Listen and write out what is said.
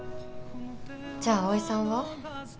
じゃあ葵さんは？